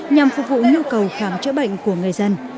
nhằm phục vụ nhu cầu khám chữa bệnh của người dân